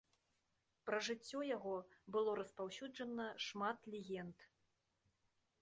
Пра жыццё яго было распаўсюджана шмат легенд.